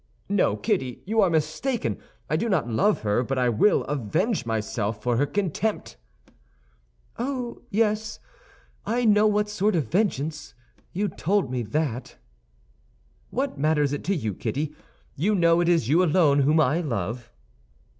"No, Kitty, you are mistaken. I do not love her, but I will avenge myself for her contempt." "Oh, yes, I know what sort of vengeance! You told me that!" "What matters it to you, Kitty? You know it is you alone whom I love."